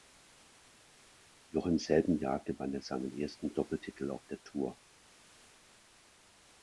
Noch im selben Jahr gewann er seinen ersten Doppeltitel auf der Tour.